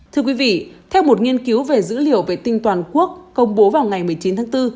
thưa quý vị theo một nghiên cứu về dữ liệu vệ tinh toàn quốc công bố vào ngày một mươi chín tháng bốn